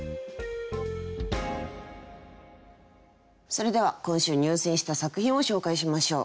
それでは今週入選した作品を紹介しましょう。